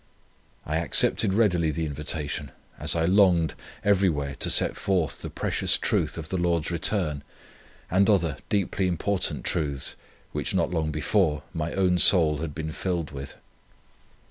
I accepted readily the invitation, as I longed, everywhere to set forth the precious truth of the Lord's return, and other deeply important truths, which not long before my own soul had been filled with.